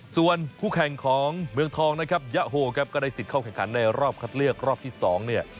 ส่วนคู่แข่งของเมืองทองนะครับยะโฮครับก็ได้สิทธิ์เข้าแข่งขันในรอบคัดเลือกรอบที่๒เนี่ย